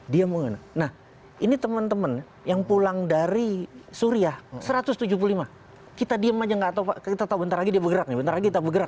dia mengenang nah ini teman teman yang pulang dari suriah satu ratus tujuh puluh lima kita diam aja enggak tau kita tahu bentar lagi dia bergeraknya bentar lagi kita bergerak